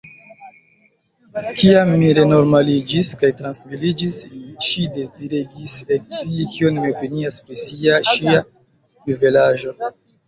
Kiam mi renormaliĝis kaj trankviliĝis, ŝi deziregis ekscii kion mi opinias pri ŝia juvelaĵo.